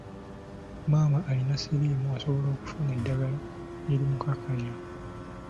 Maama alina siriimu asobola okufuna eddagala erimukkakkanya.